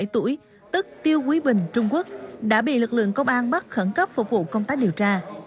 hai mươi tuổi tức tiêu quý bình trung quốc đã bị lực lượng công an bắt khẩn cấp phục vụ công tác điều tra